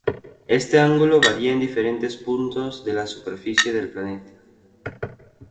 Este ángulo varía en diferentes puntos de la superficie del planeta.